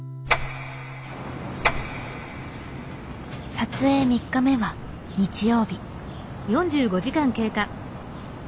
撮影３日目は日曜日。